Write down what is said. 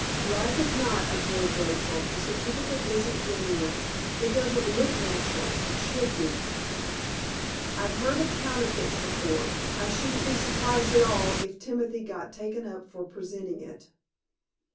"Like as not," observed Rachel, "the certificate isn't genuine. It doesn't look natural it should be. I've heard of counterfeits before. I shouldn't be surprised at all if Timothy got taken up for presenting it."